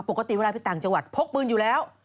ปกติเวลาไปต่างจังหวัดพกปืนอยู่แล้ว